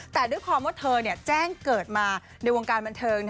แต่ด้วยความว่าเธอแจ้งเกิดมาในวงการบันเทิง